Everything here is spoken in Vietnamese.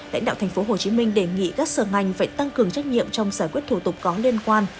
lãnh đạo tp hcm đề nghị các sở ngành phải tăng cường trách nhiệm trong giải quyết thủ tục có liên quan